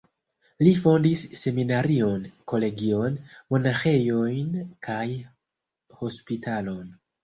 Li fondis seminarion, kolegion, monaĥejojn kaj hospitalon.